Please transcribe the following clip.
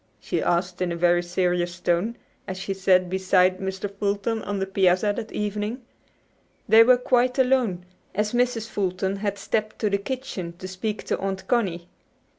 she asked in a very serious tone, as she sat beside Mr. Fulton on the piazza that evening. They were quite alone, as Mrs. Fulton had stepped to the kitchen to speak to Aunt Connie.